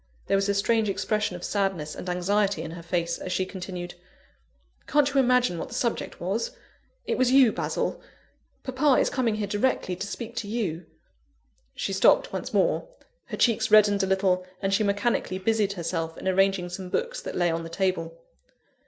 There was a strange expression of sadness and anxiety in her face, as she continued: "Can't you imagine what the subject was? It was you, Basil. Papa is coming here directly, to speak to you." She stopped once more. Her cheeks reddened a little, and she mechanically busied herself in arranging some books that lay on the table.